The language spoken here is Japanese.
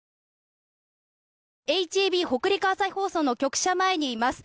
ＨＡＢ北陸朝日放送の局舎前にいます。